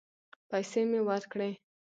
پيسې مې ورکړې.